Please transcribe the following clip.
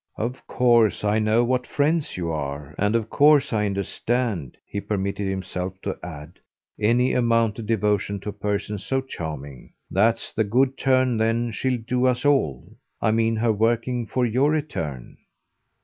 "Of course I know what friends you are and of course I understand," he permitted himself to add, "any amount of devotion to a person so charming. That's the good turn then she'll do us all I mean her working for your return."